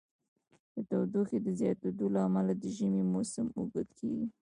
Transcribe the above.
د تودوخې د زیاتیدو له امله د ژمی موسم اوږد کیږي.